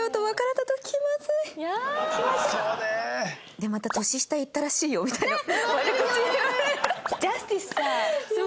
でまた「年下いったらしいよ」みたいな悪口言われる。